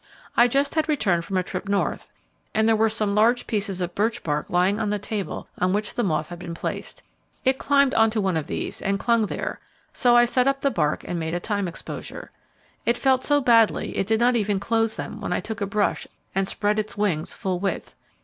I just had returned from a trip north, and there were some large pieces of birch bark lying on the table on which the moth had been placed. It climbed on one of these, and clung there, so I set up the bark, and made a time exposure. It felt so badly it did not even close them when I took a brush and spread its wings full width.